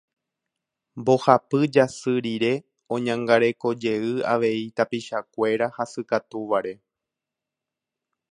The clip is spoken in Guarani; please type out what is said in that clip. Mbohapy jasy rire oñangarekojey avei tapichakuéra hasykatúvare.